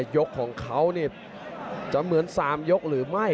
ยกของเขาจะเหมือน๓ยกหรือไม่